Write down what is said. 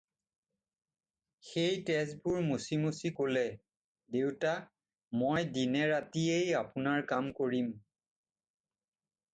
"সেই তেজবোৰ মচি মচি ক'লে, "দেউতা, মই দিনে ৰাতিয়েই আপোনাৰ কাম কৰিম।"